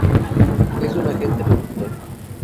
Es un agente reductor.